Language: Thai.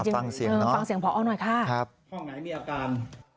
พังเสียงหนอ